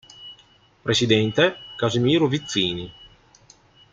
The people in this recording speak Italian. Presidente: Casimiro Vizzini